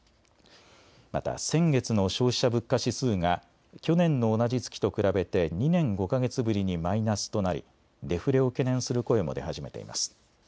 また先月の消費者物価指数が去年の同じ月と比べて２年５か月ぶりにマイナスとなり、デフレを懸念する声も出始めています。